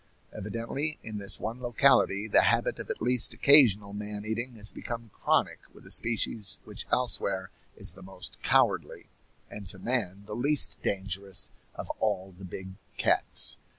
Evidently in this one locality the habit of at least occasional man eating has become chronic with a species which elsewhere is the most cowardly, and to man the least dangerous, of all the big cats.